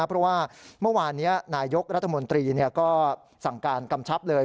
เพราะว่าเมื่อวานนี้นายกรัฐมนตรีก็สั่งการกำชับเลย